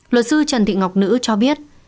luật sư trần thị ngọc nữ cho biết